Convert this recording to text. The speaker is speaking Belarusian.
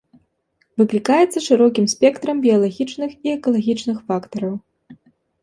Выклікаецца шырокім спектрам біялагічных і экалагічных фактараў.